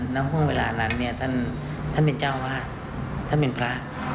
ห่วงเวลานั้นเนี่ยท่านเป็นเจ้าวาดท่านเป็นพระ